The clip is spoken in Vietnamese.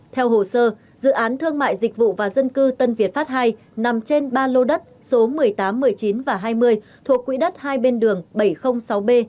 theo hồ sơ dự án thương mại dịch vụ và dân cư tân việt pháp ii nằm trên ba lô đất số một mươi tám một mươi chín và hai mươi thuộc quỹ đất hai bên đường bảy trăm linh sáu b